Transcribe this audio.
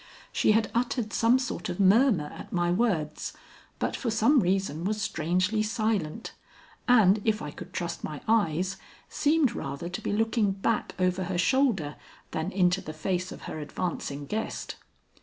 She had uttered some sort of murmur at my words, but for some reason was strangely silent, and, if I could trust my eyes, seemed rather to be looking back over her shoulder than into the face of her advancing guest.